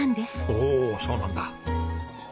おおそうなんだ。